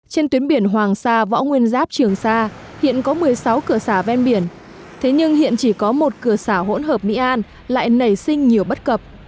trên tuyến biển hoàng sa võ nguyên giáp trường sa hiện có một mươi sáu cửa xả ven biển thế nhưng hiện chỉ có một cửa xả hỗn hợp mỹ an lại nảy sinh nhiều bất cập